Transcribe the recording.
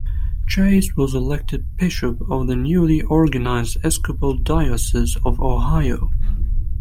Chase was elected Bishop of the newly organized Episcopal Diocese of Ohio.